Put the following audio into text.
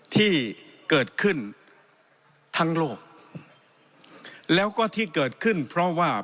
ที่เกิดขึ้นทั้งโลกแล้วก็ที่เกิดขึ้นเพราะว่า